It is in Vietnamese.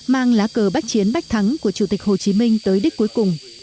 mang lá cờ bách chiến bách thắng của chủ tịch hồ chí minh tới đích cuối cùng